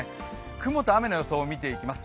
雲と雨の予想を見ていきます。